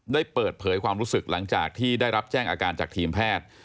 ได้เปิดเผยความรู้สึกหลังจากที่ได้รับแจ้งอาการจากทีมแพทย์